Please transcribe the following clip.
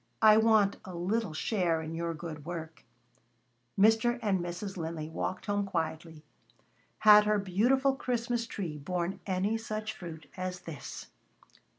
I want a little share in your good work." Mr. and Mrs. Linley walked home quietly. Had her beautiful Christmas tree borne any such fruit as this?